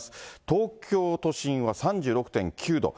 東京都心は３６．９度。